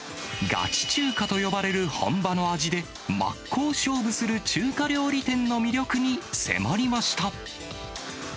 ガチ中華と呼ばれる本場の味で、真っ向勝負する中華料理店の魅力に迫りました。